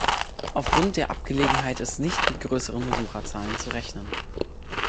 Aufgrund der Abgelegenheit ist nicht mit größeren Besucherzahlen zu rechnen.